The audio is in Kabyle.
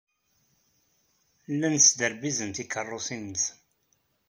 Llan sderbizen tikeṛṛusin-nsen.